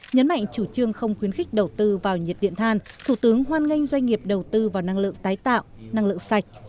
nhấn mạnh chủ trương không khuyến khích đầu tư vào nhiệt điện than thủ tướng hoan nghênh doanh nghiệp đầu tư vào năng lượng tái tạo năng lượng sạch